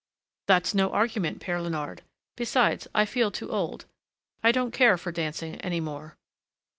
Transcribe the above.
"That's no argument, Père Léonard; besides, I feel too old, I don't care for dancing any more."